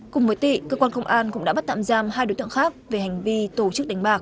cùng với tị cơ quan công an cũng đã bắt tạm giam hai đối tượng khác về hành vi tổ chức đánh bạc